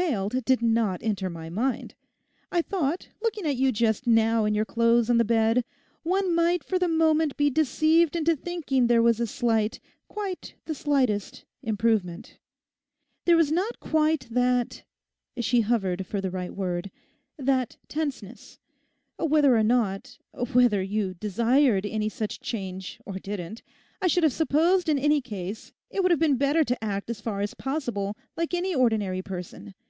'"Failed" did not enter my mind. I thought, looking at you just now in your clothes on the bed, one might for the moment be deceived into thinking there was a slight—quite the slightest improvement. There was not quite that'—she hovered for the right word—'that tenseness. Whether or not, whether you desired any such change or didn't, I should have supposed in any case it would have been better to act as far as possible like any ordinary person.